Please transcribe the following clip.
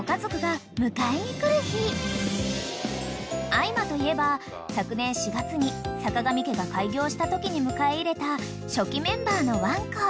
［あいまといえば昨年４月にさかがみ家が開業したときに迎え入れた初期メンバーのワンコ］